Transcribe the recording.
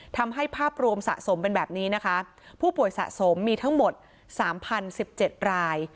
ทำให้ภาพรวมสะสมเป็นแบบนี้นะคะผู้ป่วยสะสมมีทั้งหมด๓๐๑๗ราย